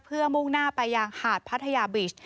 เพื่อมุ่งหน้าไปยังหาดพัทยาบิช